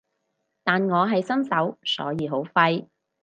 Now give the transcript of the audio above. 但我係新手所以好廢